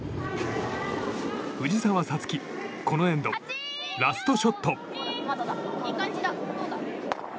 藤澤五月このエンドラストショット。